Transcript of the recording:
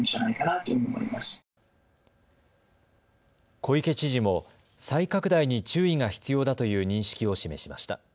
小池知事も再拡大に注意が必要だという認識を示しました。